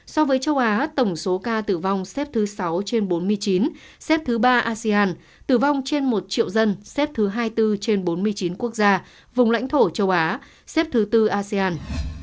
so với châu á tổng số ca tử vong xếp thứ sáu trên bốn mươi chín xếp thứ ba asean tử vong trên một triệu dân xếp thứ hai mươi bốn trên bốn mươi chín quốc gia vùng lãnh thổ châu á xếp thứ tư asean